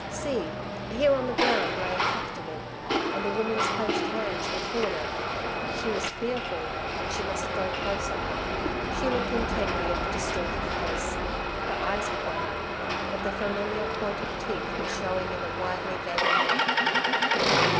See, here on the ground lay a tuft of it, and the woman's clenched hands were full of it. She was fearful, but she must go closer. She looked intently at the distorted face. The eyes were gone—but the familiar pointed teeth were showing in the widely gaping mouth.